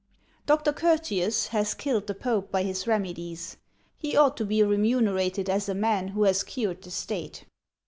"Dr. Curtius has killed the pope by his remedies; he ought to be remunerated as a man who has cured the state."